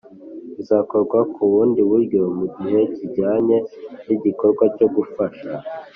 Bizakorwa ku bundi buryo mu gihe kijyanye n’igikorwa cyo gufasha